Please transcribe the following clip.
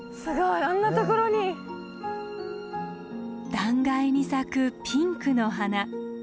断崖に咲くピンクの花。